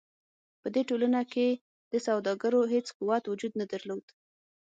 په دې ټولنو کې د سوداګرو هېڅ قوت وجود نه درلود.